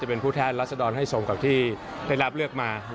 เป็นผู้แทนรัศดรให้สมกับที่ได้รับเลือกมา